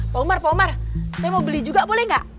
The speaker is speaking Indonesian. pak umar pak umar saya mau beli juga boleh nggak